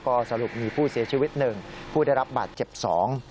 ก็สรุปมีผู้เสียชีวิตหนึ่งผู้ได้รับบาดเจ็บสอง